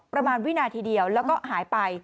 ประมาณวินาทีเดียวแล้วก็หายไป